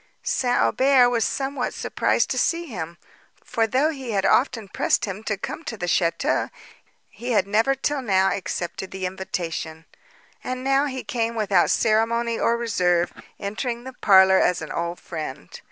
St. Aubert was somewhat surprised to see him; for, though he had often pressed him to come to the château, he had never till now accepted the invitation; and now he came without ceremony or reserve, entering the parlour as an old friend.